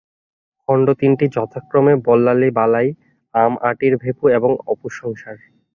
খণ্ড তিনটি যথাক্রমে বল্লালী বালাই, আম-আঁটির ভেঁপু এবং অপুর সংসার।